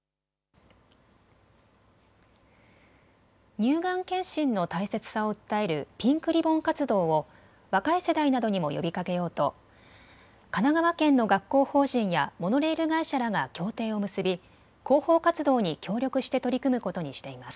乳がん検診の大切さを訴えるピンクリボン活動を若い世代などにも呼びかけようと神奈川県の学校法人やモノレール会社らが協定を結び広報活動に協力して取り組むことにしています。